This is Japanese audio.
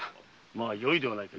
⁉まあよいではないか。